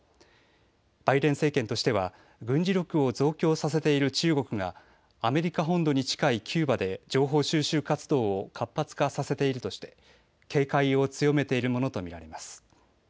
バイデン政権としては軍事力を増強させている中国がアメリカ本土に近いキューバで情報収集活動を活発化させているとして警戒を強めているものと見られます。